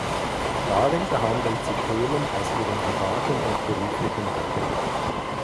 Darin behandelt sie Themen aus ihrem privaten und beruflichen Leben.